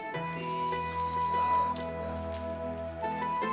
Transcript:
dad jangan ngiri dad